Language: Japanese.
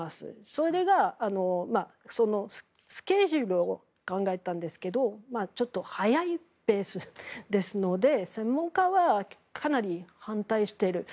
それが、スケジュールを考えたんですけどもちょっと早いペースですので専門家はかなり反対している。